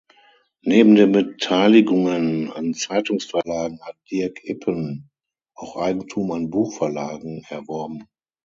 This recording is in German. Neben den Beteiligungen an Zeitungsverlagen hat Dirk Ippen auch Eigentum an Buchverlagen erworben.